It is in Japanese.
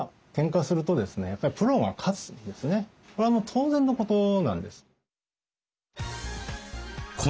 これはもう当然のことなんです。